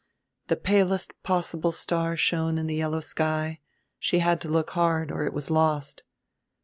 The palest possible star shone in the yellow sky; she had to look hard or it was lost.